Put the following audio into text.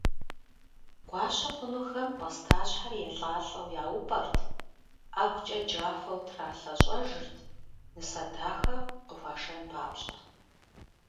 Гуащэ хъунухэм пӏастащхьэр елӏалӏэу яупӏэрт, ӏэгукӏэ джафэу тралъэщӏэжырт, нысэ дахэ къыхуашэн папщӏэ.